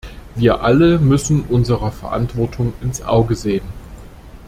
Wir alle müssen unserer Verantwortung ins Auge sehen.